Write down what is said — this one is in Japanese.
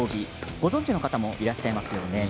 ご存じの方もいらっしゃいますよね？